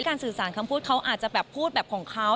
สื่อสารคำพูดเขาอาจจะแบบพูดแบบของเขา